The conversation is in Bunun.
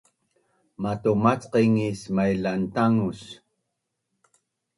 Matumacqeng is mailantangus